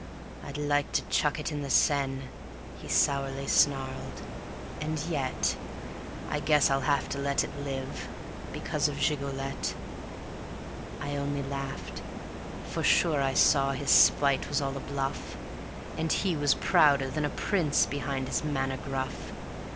"I'd like to chuck it in the Seine," he sourly snarled, "and yet I guess I'll have to let it live, because of Gigolette." I only laughed, for sure I saw his spite was all a bluff, And he was prouder than a prince behind his manner gruff.